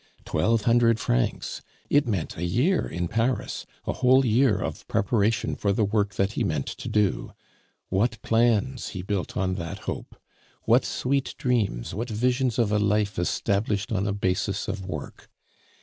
Twelve hundred francs! It meant a year in Paris, a whole year of preparation for the work that he meant to do. What plans he built on that hope! What sweet dreams, what visions of a life established on a basis of work!